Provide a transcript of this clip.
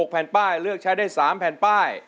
แผ่นป้ายเลือกใช้ได้๓แผ่นป้าย